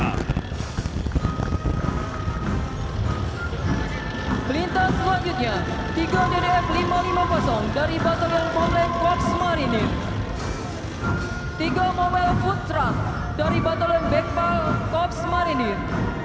melintas selanjutnya tiga jdf lima ratus lima puluh dari batalion roket korps marinir tiga mobil food truck dari batalion backpaw korps marinir